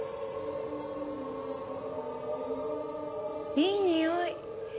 いいにおい。